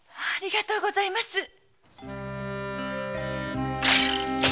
ありがとうございます！